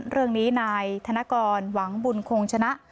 เรื่องนี้นายธนกรหวังบุญคงชนะ